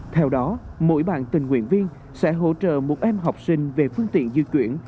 theo đó mỗi bạn tình nguyện viên sẽ hỗ trợ một em học sinh về phương tiện di chuyển